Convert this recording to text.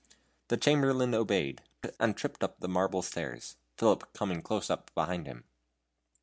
The Chamberlain obeyed, and tripped up the marble stairs, Philip coming close behind him.